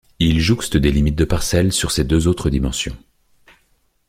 Il jouxte des limites de parcelles sur ses deux autres dimensions.